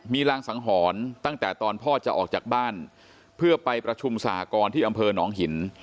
มีรางสังหรณ์ตั้งแต่ตอนพ่อจะออกจากบ้านเพื่อไปประชุมสหกรณ์ที่อำเภอหนองหิน